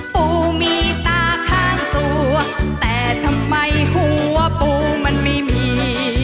ปูมีตาข้างตัวแต่ทำไมหัวปูมันไม่มี